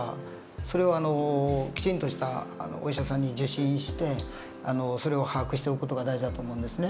それをきちんとしたお医者さんに受診してそれを把握しておく事が大事だと思うんですね。